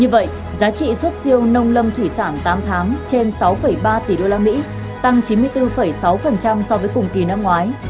như vậy giá trị xuất siêu nông lâm thủy sản tám tháng trên sáu ba tỷ usd tăng chín mươi bốn sáu so với cùng kỳ năm ngoái